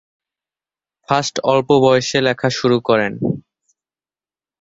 Fast অল্প বয়সে লেখা শুরু করেন।